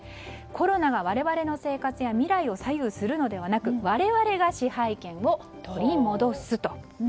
コロナが我々の生活や未来を左右するのではなく我々が支配権を取り戻すと。